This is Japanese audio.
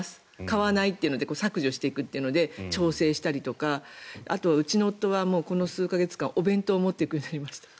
買わないというので削除して調整したりとかあとはうちの夫はこの数か月間、お弁当を持っていくようになりました。